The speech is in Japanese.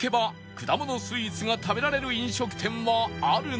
くだものスイーツが食べられる飲食店はあるのか？